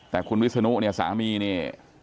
แต่คุณวิศนุเนี่ยสามีเนี่ย